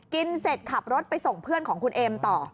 เสร็จขับรถไปส่งเพื่อนของคุณเอ็มต่อ